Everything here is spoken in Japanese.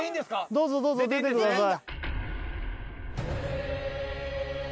どうぞどうぞ出てください